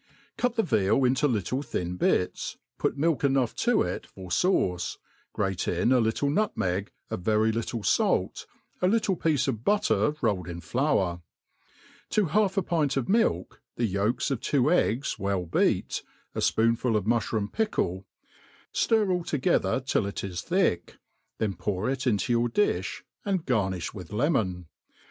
CUT the veal into little thin bits, put milk enough to it for faace, grate in a little nutmeg, a very little fait, a little piece of butter rolled in flour: to half a pint of milk, the yolks of two eggs well beat, a fpoonful of mu(h room pickle, ftir all toge ther till it is thick ; th^n pour it into your di(b, and garnilh with lemon.